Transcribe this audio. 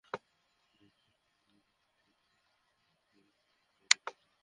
সিরাজগঞ্জের তাড়াশে আলোচনা সভায় সভাপতি ছিলেন বেসরকারি সংস্থা পরিবর্তনের পরিচালক আবদুর রাজ্জাক।